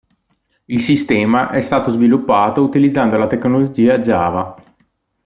Il sistema è stato sviluppato utilizzando la tecnologia Java.